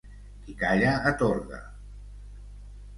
Qui calla atorga.